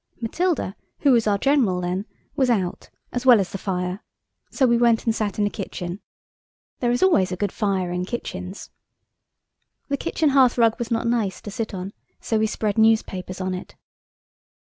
Matilda, who was our general then, was out, as well as the fire, so we went and sat in the kitchen. There is always a good fire in kitchens. The kitchen hearthrug was not nice to sit on, so we spread newspapers on it.